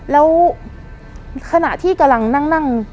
แล้วขณะที่กำลังนั่ง